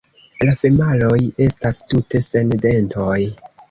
La femaloj estas tute sen dentoj.